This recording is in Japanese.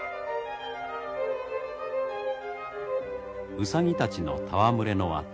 ウサギたちの戯れの跡。